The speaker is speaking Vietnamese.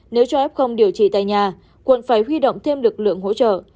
nếu cho f không điều trị tại nhà quận phải huy động thêm lực lượng hỗ trợ